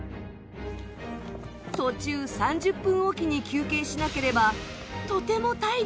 途中３０分おきに休憩しなければとても体力が持たない。